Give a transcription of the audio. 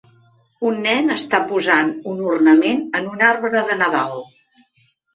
Un nen està posant un ornament en un arbre de nadal